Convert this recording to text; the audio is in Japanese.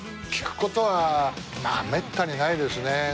聴くことはめったにないですね。